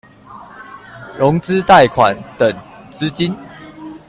融資貸款等資金